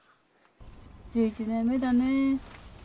１１年目だね。